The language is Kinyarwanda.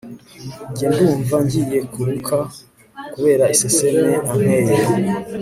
nge ndumva ngiye kuruka kubera iseseme anteye